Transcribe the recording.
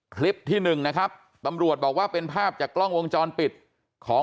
คลิปที่หนึ่งนะครับตำรวจบอกว่าเป็นภาพจากกล้องวงจรปิดของ